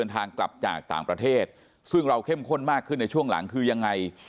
ทางกลับจากต่างประเทศซึ่งเราเข้มข้นมากขึ้นในช่วงหลังคือยังไง